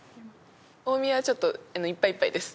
大宮はちょっといっぱいいっぱいです。